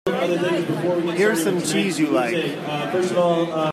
Here's some cheese you like.